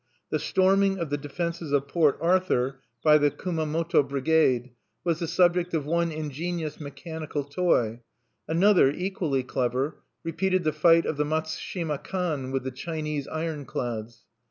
The storming of the defenses of Port Arthur by the Kumamoto Brigade was the subject of one ingenious mechanical toy; another, equally clever, repeated the fight of the Matsushima Kan with the Chinese iron clads.